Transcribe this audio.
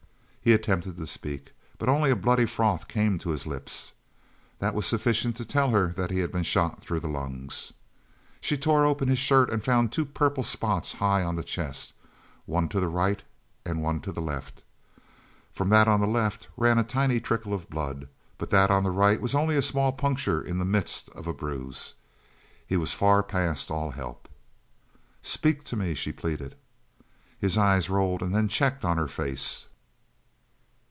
He attempted to speak, but only a bloody froth came to his lips. That was sufficient to tell her that he had been shot through the lungs. She tore open his shirt and found two purple spots high on the chest, one to the right, and one to the left. From that on the left ran a tiny trickle of blood, but that on the right was only a small puncture in the midst of a bruise. He was far past all help. "Speak to me!" she pleaded. His eyes rolled and then checked on her face.